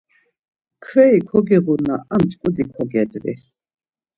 Mkveri kogiğunna a mç̌ǩudi kogedvi.